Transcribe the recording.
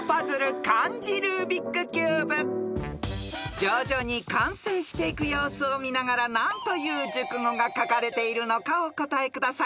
［徐々に完成していく様子を見ながら何という熟語が書かれているのかお答えください］